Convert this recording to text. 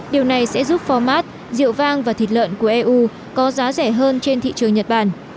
điều này sẽ giúp phó mát rượu vang và thịt lợn của eu có giá rẻ hơn trên thị trường nhật bản